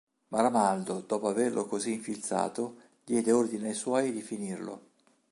Maramaldo dopo averlo così infilzato, diede ordine ai suoi di finirlo.